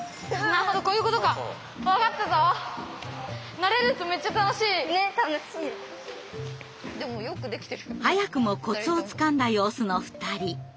ねっ楽しい。早くもコツをつかんだ様子の２人。